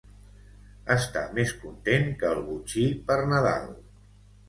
Estar més content que el botxí per Nadal.